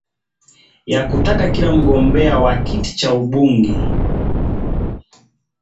ya kutaka kila mgombea wa kiti cha ubunge